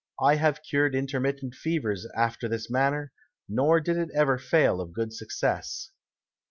I have cured Intermittent Fevers after this manner, nor did it ever fail of good Success.